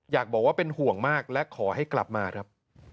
อยากบอกว่าเป็นห่วงมากและขอให้กลับมาครับ